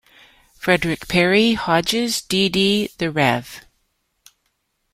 Frederick Parry Hodges D. D. The Rev.